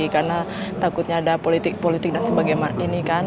karena takutnya ada politik politik dan sebagainya ini kan